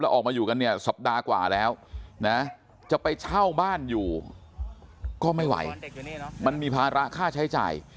ออกมาอยู่กันเนี่ยสัปดาห์กว่าแล้วนะจะไปเช่าบ้านอยู่ก็ไม่ไหวมันมีภาระค่าใช้จ่าย